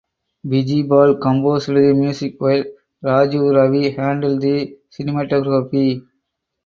Bijibal composed the music while Rajeev Ravi handled the cinematography.